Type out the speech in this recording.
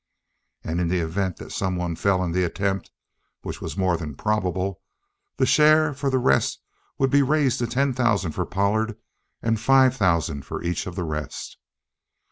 And in the event that someone fell in the attempt, which was more than probable, the share for the rest would be raised to ten thousand for Pollard and five thousand for each of the rest.